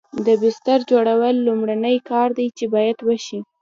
د بستر جوړول لومړنی کار دی چې باید وشي